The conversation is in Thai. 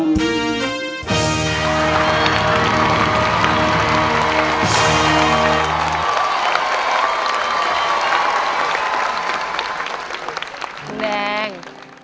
คุณแดง